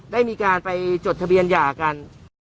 ได้มีการไปจดทะเบียนหย่ากัน